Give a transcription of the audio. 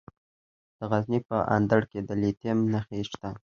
د غزني په اندړ کې د لیتیم نښې شته.